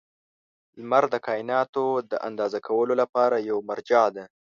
• لمر د کایناتو د اندازه کولو لپاره یوه مرجع ده.